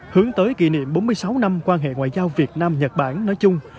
hướng tới kỷ niệm bốn mươi sáu năm quan hệ ngoại giao việt nam nhật bản nói chung